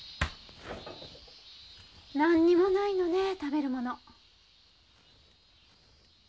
なんにもないのね食べるもの。